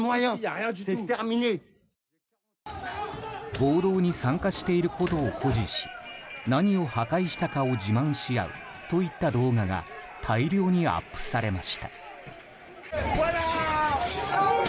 暴動に参加していることを誇示し何を破壊したかを自慢し合うといった動画が大量にアップされました。